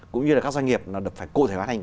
cũng như các doanh nghiệp phải cụ thể hóa thành